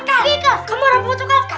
kak kamu rapi rapi apa